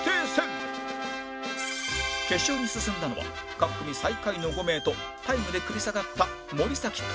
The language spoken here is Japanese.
決勝に進んだのは各組最下位の５名とタイムで繰り下がった森咲智美